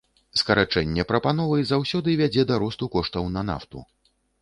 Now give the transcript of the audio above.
Скарачэнне прапановы заўсёды вядзе да росту коштаў на нафту.